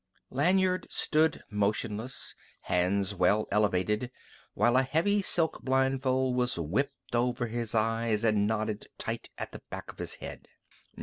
Lanyard stood motionless, hands well elevated, while a heavy silk blindfold was whipped over his eyes and knotted tight at the back of his head.